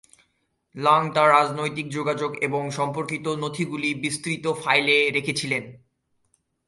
Lung তার রাজনৈতিক যোগাযোগ এবং সম্পর্কিত নথিগুলি বিস্তৃত "ফাইলে" রেখেছিলেন।